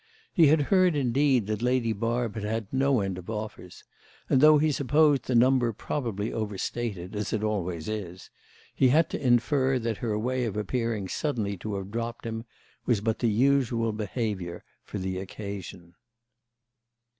He had heard indeed that Lady Barb had had no end of offers; and though he supposed the number probably overstated, as it always is, he had to infer that her way of appearing suddenly to have dropped him was but the usual behaviour for the occasion.